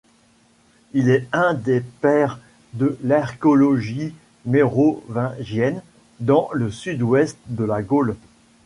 Il est un des pères de l’archéologie mérovingienne dans le Sud-Ouest de la Gaule.